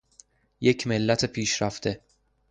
یک ملت پیشرفته